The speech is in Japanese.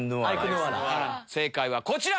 正解はこちら！